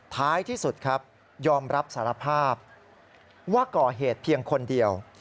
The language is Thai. ท้ายที่สุดครับยอมรับสารภาพว่าก่อเหตุเพียงคนเดียว